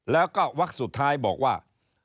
แล้วก็วักสุดท้ายบอกว่า